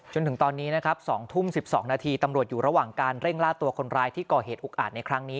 จนถึงตอนนี้นะครับ๒ทุ่ม๑๒นาทีตำรวจอยู่ระหว่างการเร่งล่าตัวคนร้ายที่ก่อเหตุอุกอาจในครั้งนี้